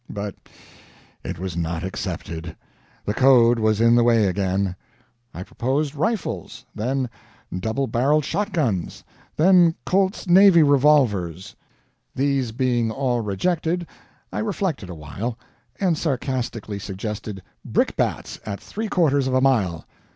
But it was not accepted. The code was in the way again. I proposed rifles; then double barreled shotguns; then Colt's navy revolvers. These being all rejected, I reflected awhile, and sarcastically suggested brickbats at three quarters of a mile.